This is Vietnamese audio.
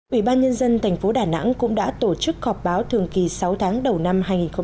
ủy ban nhân dân tp đà nẵng cũng đã tổ chức họp báo thường kỳ sáu tháng đầu năm hai nghìn một mươi bảy